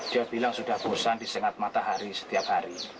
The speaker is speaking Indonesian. dia bilang sudah bosan disengat matahari setiap hari